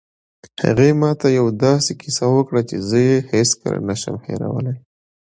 هغې ما ته یوه داسې کیسه وکړه چې زه یې هېڅکله نه شم هیرولی